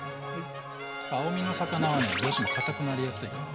青身の魚はねどうしても堅くなりやすいから。